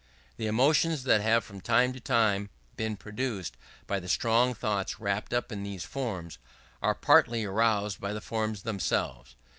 The emotions that have from time to time been produced by the strong thoughts wrapped up in these forms, are partially aroused by the forms themselves.